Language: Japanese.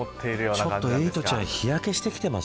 ちょっとエイトちゃん日焼けしてきてます。